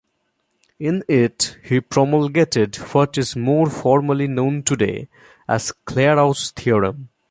In it, he promulgated what is more formally known today as Clairaut's theorem.